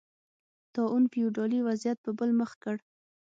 طاعون فیوډالي وضعیت په بل مخ کړ.